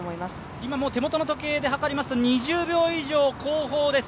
今、手元の時計で２０秒以上後方です。